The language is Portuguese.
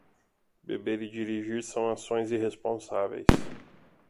Beber e dirigir são ações irresponsáveis.